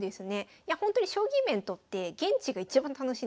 いやほんとに将棋イベントって現地が一番楽しいんですよ。